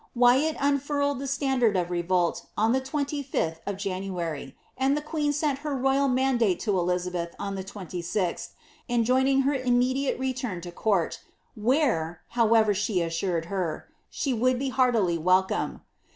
Wyat QDfurled the standard of revolt on the 25th of January, and the queen sent her royal mandate to Elizabeth on the 26th, enjoining her imme* diate return to court, ^ where," however, she assured her, she would be heartily welcome."